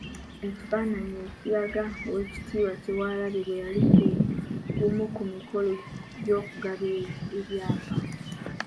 Ekifaananyi ekiraga Oweekitiibwa Kyewalabye bwe yali ku gumu ku mikolo gy’okugaba ebyapa.